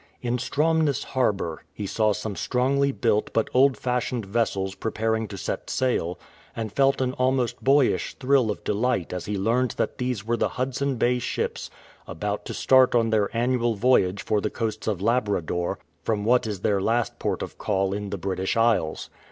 In Stromness harbour he saw some strongly built but old fashioned vessels preparing to set sail, and felt an almost boyish thrill of delight as he learned that these were the Hudson Bay ships about to start on their annual voyage for the coasts of I^brador, from what is their last port of call in the British Isles.